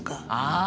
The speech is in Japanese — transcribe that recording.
ああ！